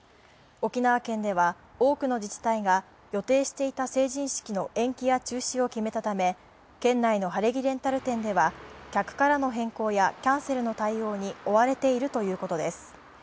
沖縄県では多くの自治体が予定していた成人式の延期や中止を決めたため、県内の晴れ着レンタル店では客からの変更やキャンセルの対応に追われているということです。